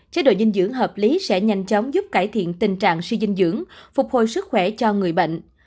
chế độ dinh dưỡng hợp lý sẽ nhanh chóng giúp cải thiện tình trạng suy dinh dưỡng phục hồi sức khỏe cho người bệnh